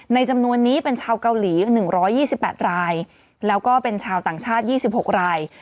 จำนวนนี้เป็นชาวเกาหลี๑๒๘รายแล้วก็เป็นชาวต่างชาติ๒๖ราย